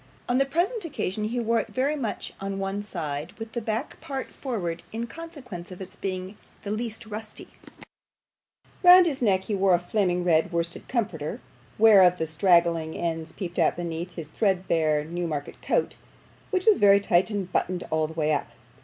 On the present occasion he wore it very much on one side, with the back part forward in consequence of its being the least rusty; round his neck he wore a flaming red worsted comforter, whereof the straggling ends peeped out beneath his threadbare Newmarket coat, which was very tight and buttoned all the way up.